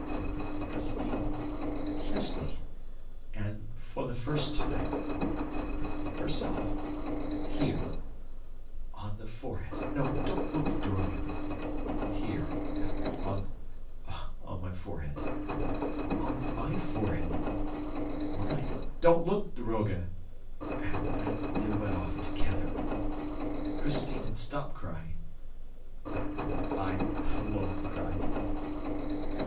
Then Christine kissed me, for the first time, herself, here, on the forehead don't look, daroga! here, on the forehead ... on my forehead, mine don't look, daroga! and they went off together... Christine had stopped crying ... I alone cried